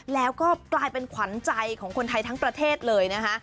แล้วก็กลายเป็นขวัญใจของคนไทยทั้งประเทศเลยนะคะ